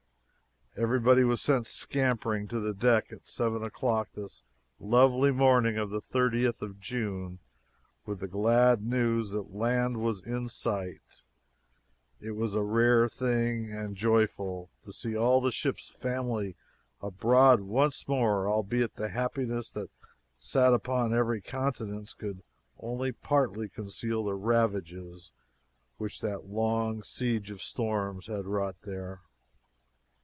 Everybody was sent scampering to the deck at seven o'clock this lovely morning of the thirtieth of June with the glad news that land was in sight! It was a rare thing and a joyful, to see all the ship's family abroad once more, albeit the happiness that sat upon every countenance could only partly conceal the ravages which that long siege of storms had wrought there.